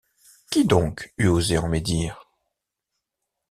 Qui donc eût osé en médire?